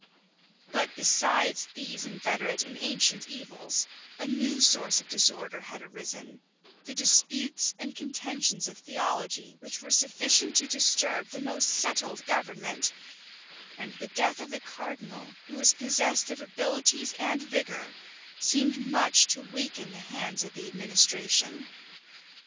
But besides these inveterate and ancient evils, a new source of disorder had arisen, the disputes and contentions of theology which were sufficient to disturb the most settled government; and the death of the cardinal, who was possessed of abilities and vigor, seemed much to weaken the hands of the administration.